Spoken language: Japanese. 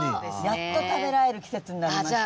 やっと食べられる季節になりました。